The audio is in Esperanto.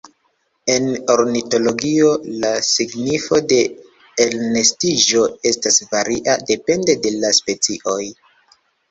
En ornitologio, la signifo de elnestiĝo estas varia, depende de la specioj.